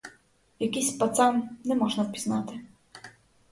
Якийсь пацан, не можна впізнати.